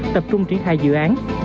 tập trung triển thai dự án